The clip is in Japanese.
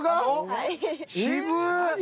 はい。